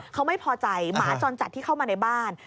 เขาไม่พอใจหมาจรจัดที่เข้ามาในบ้าน